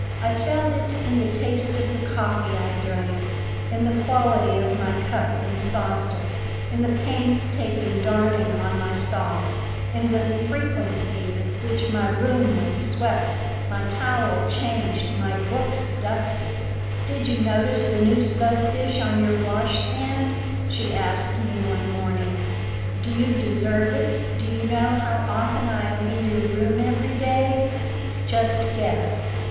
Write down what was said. I felt it in the taste of the coffee I drank, in the quality of my cup and saucer, in the painstaking darning on my socks, in the frequency with which my room was swept, my towel changed, my books dusted "Did you notice the new soap dish on your wash stand?" she asked me, one morning. "Do you deserve it? Do you know how often I am in your room every day? Just guess."